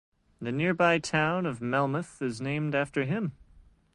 The nearby town of Melmoth is named after him.